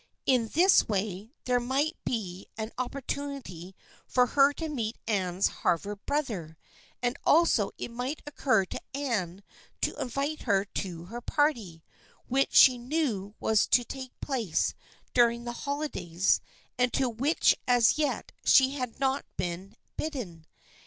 In this way there might be an opportunity for her to meet Anne's Harvard brother, and also it might occur to Anne to invite her to her party, which she knew was to take place dur ing the holidays and to which as yet she had not been bidden.